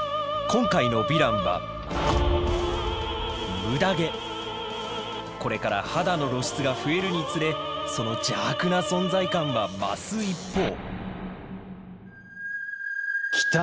今回の「ヴィラン」はこれから肌の露出が増えるにつれその邪悪な存在感は増す一方！